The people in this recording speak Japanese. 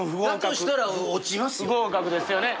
だとしたら落ちますよ。